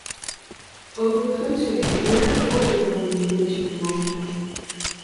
Overigens heb ik de eer voorzitter van die commissie te mogen zijn.